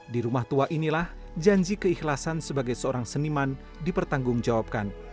di rumah tua inilah janji keikhlasan sebagai seorang seniman dipertanggungjawabkan